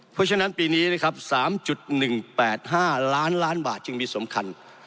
เพราะฉะนั้นปีนี้นะครับสามจุดหนึ่งแปดห้าร้านล้านบาทจึงมีสำคัญ